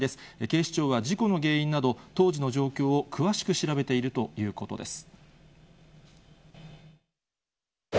警視庁は事故の原因など、当時の状況を詳しく調べているということです。